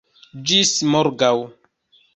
Ĝis morgaŭ.